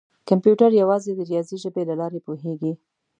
کمپیوټر یوازې د ریاضي ژبې له لارې پوهېږي.